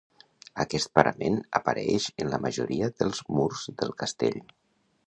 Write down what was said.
Aquest parament apareix en la majoria dels murs del castell.